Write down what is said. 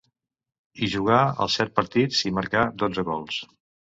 Hi jugà els set partits, i marcà dotze gols.